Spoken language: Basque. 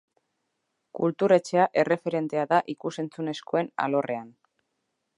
Kultur Etxea erreferentea da ikus-entzunezkoen alorrean.